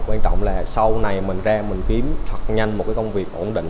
quan trọng là sau này mình ra mình kiếm thật nhanh một cái công việc ổn định